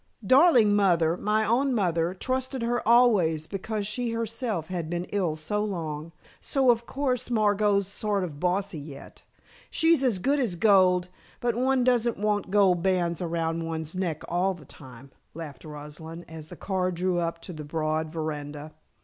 Darling mother, my own mother, trusted her always, because she herself had been ill so long, so, of course, Margot's sort of bossy yet. She's as good as gold, but one doesn't want gold bands around one's neck all the time," laughed Rosalind, as the car drew up to the broad veranda.